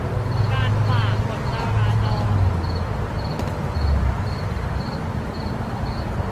ความฝ่ากฎจราจร